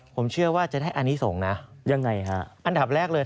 ผมเชื่อว่าจะได้อันนี้ส่งนะยังไงฮะอันดับแรกเลย